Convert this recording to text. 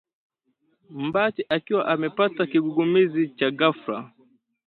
Mbati akiwa amepata kigugumizi cha ghafla